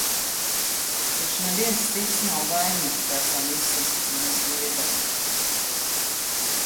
Taču neviens cits nav vainīgs, ka esam izsisti no sliedēm.